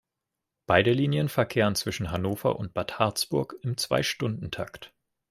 Beide Linien verkehren zwischen Hannover und Bad Harzburg im Zweistundentakt.